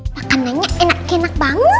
makanannya enak enak banget